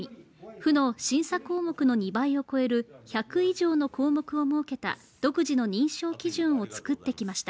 府の審査項目の２倍を超える１００以上の項目を設けた独自の認証基準を作ってきました。